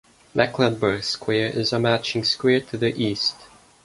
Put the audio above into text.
Mecklenburgh Square is a matching square to the east.